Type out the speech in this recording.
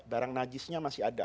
barang najisnya masih ada